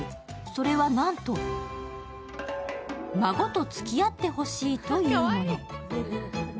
それはなんと、孫とつきあってほしいというもの。